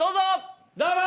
どうも！